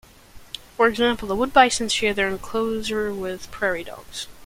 For example, the wood bisons share their enclosure with prairie dogs.